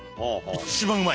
一番うまい。